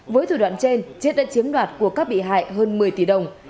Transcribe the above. với thủ đoạn trên chiết đã chiếm đoạt của các bị hại hơn một mươi tỷ đồng